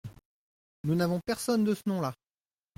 Nous n’avons personne de ce nom-là.